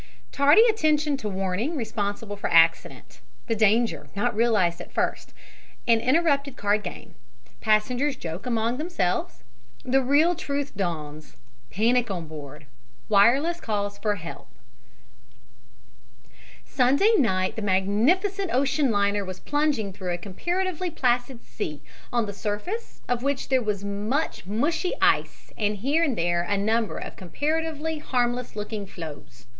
TARDY ATTENTION TO WARNING RESPONSIBLE FOR ACCIDENT THE DANGER NOT REALIZED AT FIRST AN INTERRUPTED CARD GAME PASSENGERS JOKE AMONG THEMSELVES THE REAL TRUTH DAWNS PANIC ON BOARD WIRELESS CALLS FOR HELP SUNDAY night the magnificent ocean liner was plunging through a comparatively placid sea, on the surface of which there was much mushy ice and here and there a number of comparatively harmless looking floes.